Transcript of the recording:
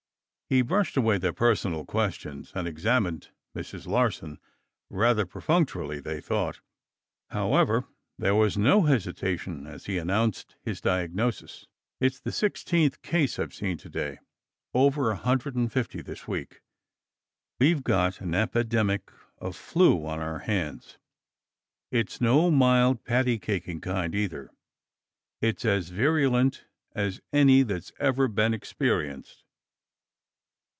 He brushed away their personal questions and examined Mrs. Larsen, rather perfunctorily, they thought. However there was no hesitation as he announced his diagnosis. "It's the sixteenth case I've seen today. Over a hundred and fifty this week. We've got an epidemic of flu on our hands. It's no mild, patty caking kind, either. It's as virulent as any that's ever been experienced!"